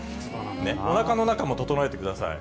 おなかの中も整えてください。